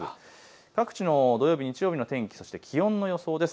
各地の土曜日、日曜日の天気、気温の予想です。